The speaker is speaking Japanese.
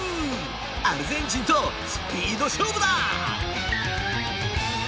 アルゼンチンとスピード勝負だ。